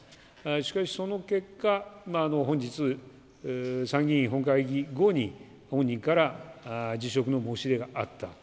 しかし、その結果、本日、参議院本会議後に、本人から辞職の申し出があった。